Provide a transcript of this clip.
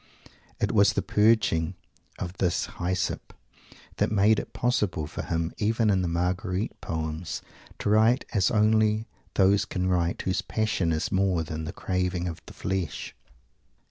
It was the purging of this "hyssop" that made it possible for him even in the "Marguerite" poems, to write as only those can write whose passion is more than the craving of the flesh.